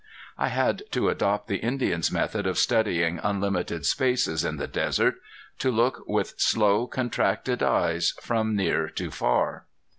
I had to adopt the Indian's method of studying unlimited spaces in the desert to look with slow contracted eyes from near to far.